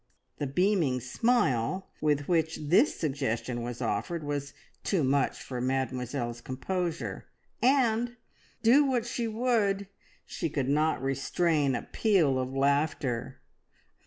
'" The beaming smile with which this suggestion was offered was too much for Mademoiselle's composure, and, do what she would, she could not restrain a peal of laughter.